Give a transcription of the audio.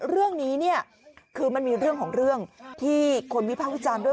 เรื่องนี้เนี่ยคือมันมีเรื่องของเรื่องที่คนวิพากษ์วิจารณ์ด้วย